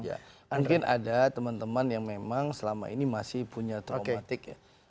mungkin ada teman teman yang memang selama ini masih punya traumatik ya